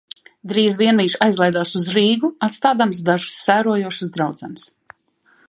"Drīz vien viņš aizlaidās uz Rīgu atstādams dažas "sērojošas draudzenes"."